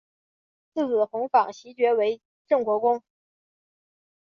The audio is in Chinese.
次子弘昉袭爵为镇国公。